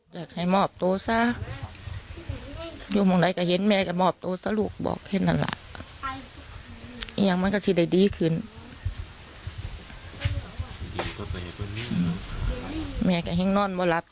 อืมแม่ก็แซงนอนไม่หลับ